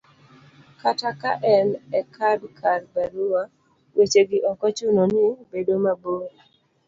kata ka en e kad kata barua, weche gi ok ochuno ni bedo mabor